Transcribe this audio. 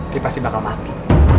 dia pasti bakal mati